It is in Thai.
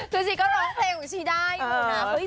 จริงก็ร้องเสร็จของชิได้อยู่นะ